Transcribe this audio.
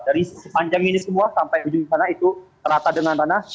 dari sepanjang ini semua sampai ujung sana itu terata dengan tanah